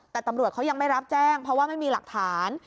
แต่ตำรวจเขายังไม่รับแจ้งเพราะว่าไม่มีหลักฐาน